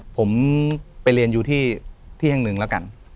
ผมไปเรียนอยู่ที่แห่งหนึ่งแล้วกัน